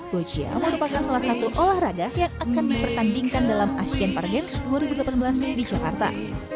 boccia merupakan salah satu olahraga yang akan dipertandingkan dalam asean para games dua ribu delapan belas di jakarta